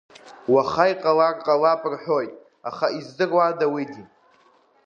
Уаха иҟалар ҟалап рҳәоит, аха издыруада уигьы.